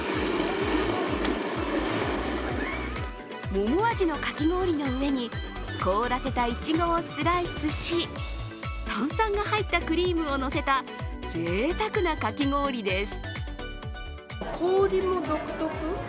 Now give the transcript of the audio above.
桃味のかき氷の上に、凍らせたいちごをスライスし炭酸が入ったクリームをのせたぜいたくなかき氷です。